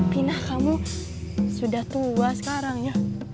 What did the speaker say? pinah kamu sudah tua sekarang ya